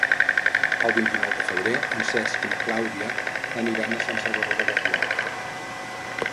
El vint-i-nou de febrer en Cesc i na Clàudia aniran a Sant Salvador de Guardiola.